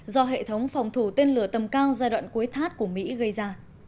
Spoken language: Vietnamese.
do hệ thống phòng thủ tên lửa tầm cao giai đoạn cuối thắt của mỹ gây ra